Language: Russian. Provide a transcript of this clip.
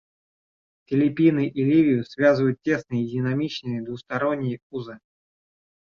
Филиппины и Ливию связывают тесные и динамичные двусторонние узы.